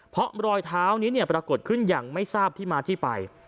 เพราะรอยเท้านี้ปรากฏขึ้นอย่างไม่ทราบที่มาที่ไป